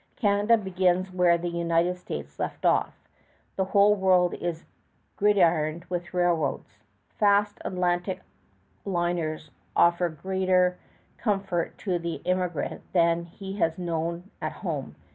Canada begins where the United States left off. The whole world is gridironed with railroads. Fast Atlantic liners offer greater comfort to the emigrant than he has known at home.